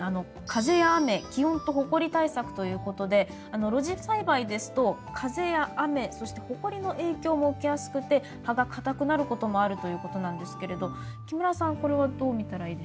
風や雨気温とほこり対策ということで露地栽培ですと風や雨そしてほこりの影響も受けやすくて葉がかたくなることもあるということなんですけれど木村さんこれはどう見たらいいでしょう？